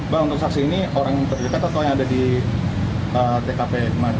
bang untuk saksi ini orang terdekat atau yang ada di tkp kemarin